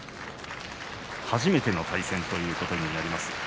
初めての対戦ということになります。